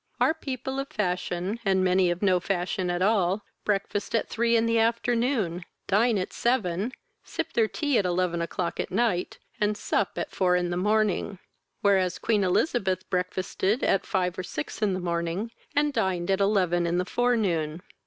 Our people of fashion, and many of no fashion at all, breakfast at three in the afternoon, dine at seven, sip their tea at eleven o'clock at night, and sup at four in the morning; whereas Queen Elizabeth breakfasted at five or six in the morning, and dined at eleven in the forenoon.